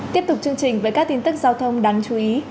tiếp tục chương trình với các tin tức giao thông đáng chú ý